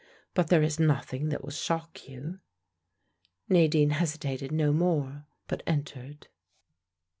"But there is nothing that will shock you." Nadine hesitated no more, but entered.